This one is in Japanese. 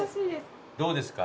どうですか？